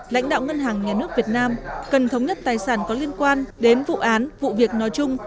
lãnh đạo ngân hàng nhà nước việt nam cần thống nhất tài sản có liên quan đến vụ án vụ việc nói chung